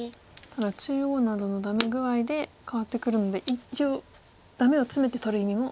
ただ中央などのダメ具合で変わってくるので一応ダメをツメて取る意味も。